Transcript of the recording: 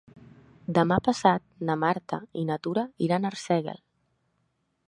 Demà passat na Marta i na Tura iran a Arsèguel.